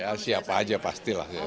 ya siapa aja pastilah